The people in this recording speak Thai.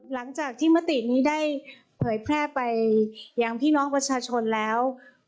หลังจากที่มตินี้ได้เผยแพร่ไปอย่างพี่น้องประชาชนแล้ว